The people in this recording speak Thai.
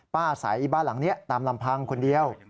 อาศัยบ้านหลังนี้ตามลำพังคนเดียว